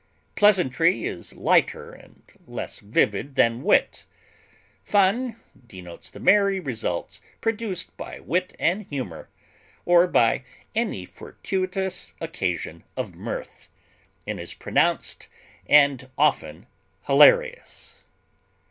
Pleasantry is lighter and less vivid than wit. Fun denotes the merry results produced by wit and humor, or by any fortuitous occasion of mirth, and is pronounced and often hilarious.